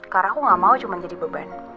karena aku gak mau cuma jadi beban